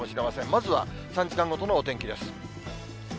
まずは３時間ごとのお天気です。